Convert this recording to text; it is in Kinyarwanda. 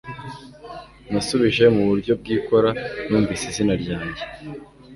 Nasubije mu buryo bwikora numvise izina ryanjye